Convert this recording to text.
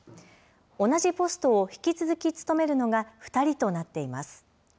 同じポストを引き続き務めるのが２人となっています。